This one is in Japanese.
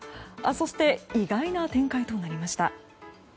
そして意外な展開となりました。